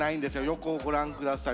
横をご覧下さい。